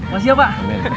masih ya pak